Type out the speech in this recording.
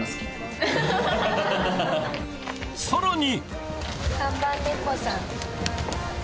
さらに！